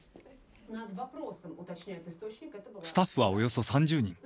スタッフはおよそ３０人。